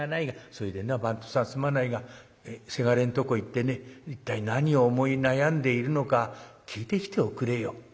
それでな番頭さんすまないが倅んとこ行ってね一体何を思い悩んでいるのか聞いてきておくれよ」。